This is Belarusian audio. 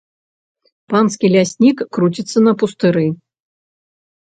Панскі ляснік круціцца на пустыры.